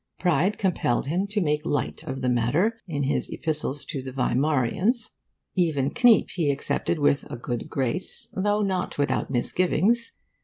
Pride compelled him to make light of the matter in his epistles to the Weimarians. Even Kniep he accepted with a good grace, though not without misgivings.